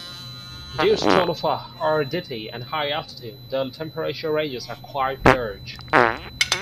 Due to Tonopah's aridity and high altitude, daily temperature ranges are quite large.